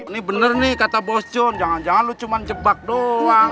ini benar nih kata bos jon jangan jangan lu cuma jebak doang